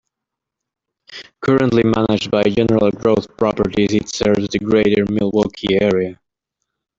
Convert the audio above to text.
Currently managed by General Growth Properties, it serves the Greater Milwaukee area.